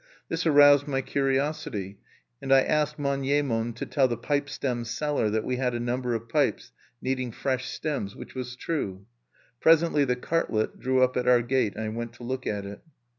This aroused my curiosity; and I asked Manyemon to tell the pipe stem seller that we had a number of pipes needing fresh stems, which was true. Presently the cartlet drew up at our gate, and I went to look at it.